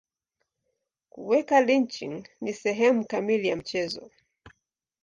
Kuweka lynching ni sehemu kamili ya mchezo.